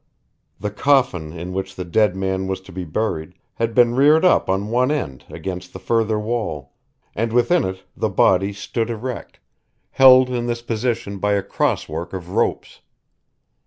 The coffin in which the dead man was to be buried had been reared up on one end against the further wall, and within it the body stood erect, held in this position by a cross work of ropes.